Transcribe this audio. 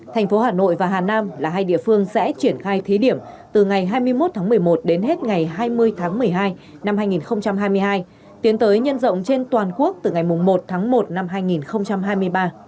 thành phố hà nội và hà nam là hai địa phương sẽ triển khai thí điểm từ ngày hai mươi một tháng một mươi một đến hết ngày hai mươi tháng một mươi hai năm hai nghìn hai mươi hai tiến tới nhân rộng trên toàn quốc từ ngày một tháng một năm hai nghìn hai mươi ba